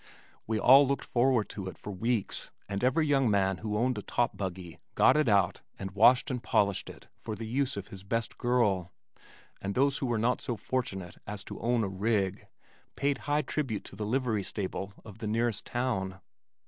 We all looked forward to it for weeks and every young man who owned a top buggy got it out and washed and polished it for the use of his best girl, and those who were not so fortunate as to own "a rig" paid high tribute to the livery stable of the nearest town.